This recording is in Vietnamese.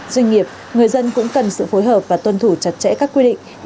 doanh nghiệp người dân cũng cần sự phối hợp và tuân thủ chặt chẽ các quy định